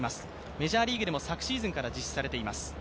メジャーリーグでも昨シーズンから実施されています。